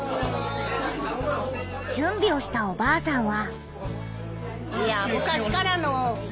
じゅんびをしたおばあさんは。